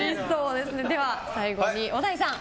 では、最後に小田井さん。